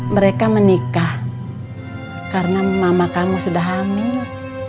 mereka menikah karena mama kamu sudah hamil